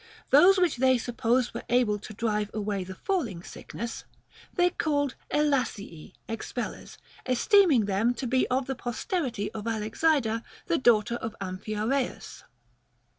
Those which they supposed were able to drive away the falling sickness, they called Elasii (expellers), esteeming them to be of the posterity of Alexicla the daughter of Amphiaraus.